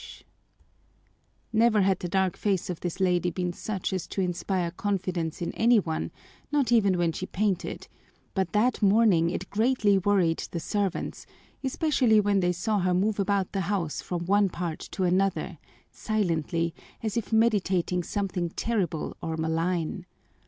Never had the dark face of this lady been such as to inspire confidence in any one, not even when she painted, but that morning it greatly worried the servants, especially when they saw her move about the house from one part to another, silently, as if meditating something terrible or malign.